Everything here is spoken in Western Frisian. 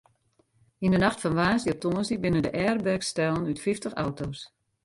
Yn de nacht fan woansdei op tongersdei binne de airbags stellen út fyftich auto's.